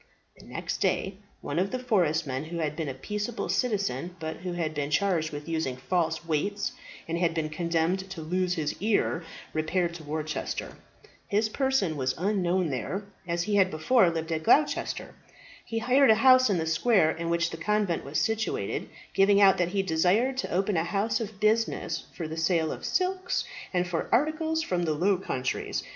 The next day one of the forest men who had been a peaceable citizen, but who had been charged with using false weights and had been condemned to lose his ears, repaired to Worcester. His person was unknown there, as he had before lived at Gloucester. He hired a house in the square in which the convent was situated, giving out that he desired to open a house of business for the sale of silks, and for articles from the Low Countries.